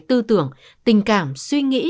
tư tưởng tình cảm suy nghĩ